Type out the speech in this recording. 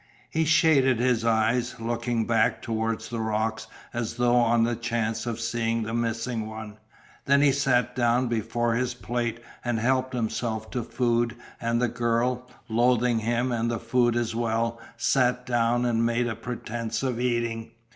He shaded his eyes, looking back towards the rocks as though on the chance of seeing the missing one; then he sat down before his plate and helped himself to food and the girl, loathing him and the food as well, sat down and made a pretence of eating.